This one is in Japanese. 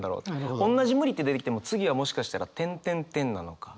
おんなじ「無理」って出てきても次はもしかしたら「」なのか。